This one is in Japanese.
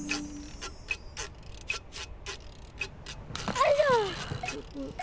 おいしょ！